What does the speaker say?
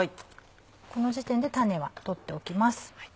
この時点で種は取っておきます。